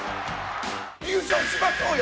「優勝しましょうよ！」